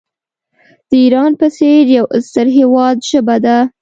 د ایران په څېر یو ستر هیواد ژبه ده.